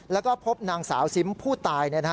แล้วก็พบนางสาวซิมผู้ตาย